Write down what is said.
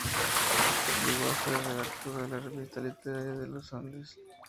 Llegó a ser redactor de la Revista literaria de los Andes.